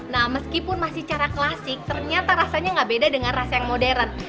nah meskipun masih cara klasik ternyata rasanya nggak beda dengan rasa yang modern